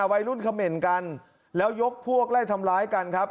วัยรุ่นเขม่นกันแล้วยกพวกไล่ทำร้ายกันครับ